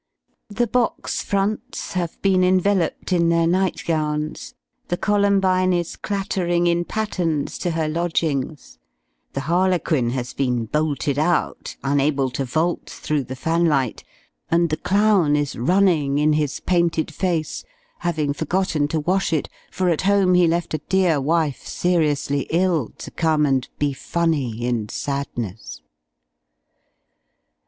The box fronts have been enveloped in their night gowns; the Columbine is clattering, in pattens, to her lodgings; the Harlequin has been bolted out, unable to vault through the fan light; and the Clown is running in his painted face, having forgotten to wash it, for at home he left a dear wife seriously ill, to come and be funny in sadness.